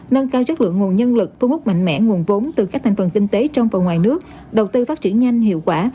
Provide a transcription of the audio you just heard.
nâng cao chất lượng nguồn nhân lực thu hút mạnh mẽ nguồn vốn từ các thành phần kinh tế trong và ngoài nước đầu tư phát triển nhanh hiệu quả